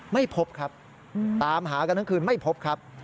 ไม่พบครับตามหากันทั้งคืนไม่พบครับ